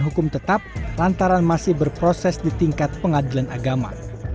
hukum tetap lantaran masih berproses di tingkat pengadilan agama